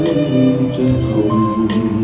จะห่วง